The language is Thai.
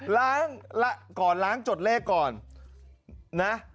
หลางหลางก่อนหลางตรงจดเลขก่อน